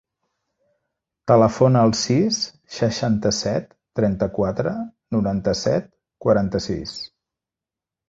Telefona al sis, seixanta-set, trenta-quatre, noranta-set, quaranta-sis.